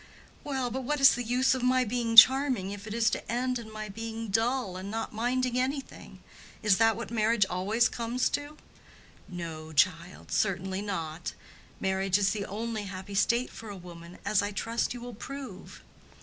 "Well, but what is the use of my being charming, if it is to end in my being dull and not minding anything? Is that what marriage always comes to?" "No, child, certainly not. Marriage is the only happy state for a woman, as I trust you will prove."